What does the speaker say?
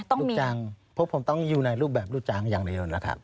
ลูกจ้างพวกผมต้องอยู่ในรูปแบบลูกจ้างอย่างเดียวนะครับ